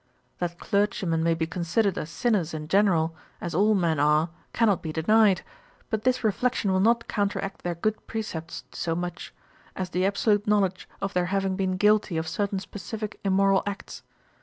That clergymen may be considered as sinners in general, as all men are, cannot be denied; but this reflection will not counteract their good precepts so much, as the absolute knowledge of their having been guilty of certain specifick immoral acts.